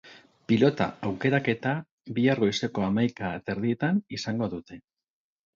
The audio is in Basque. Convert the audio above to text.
Pilota aukeraketa bihar goizeko hamaika terdietan izango dute.